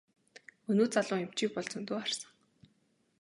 Өнөө залуу эмчийг бол зөндөө харсан.